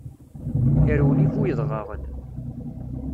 Irwel i bu yedɣaɣen.